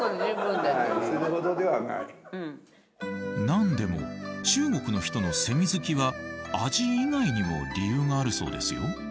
何でも中国の人のセミ好きは味以外にも理由があるそうですよ。